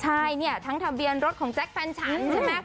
ใช่เนี่ยทั้งทะเบียนรถของแจ๊คแฟนฉันใช่ไหม